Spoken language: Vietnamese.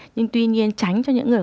nhưng tuy nhiên tránh cho những người